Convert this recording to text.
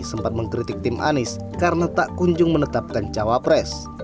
sempat mengkritik tim anies karena tak kunjung menetapkan cawapres